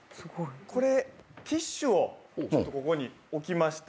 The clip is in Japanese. ティッシュをここに置きまして。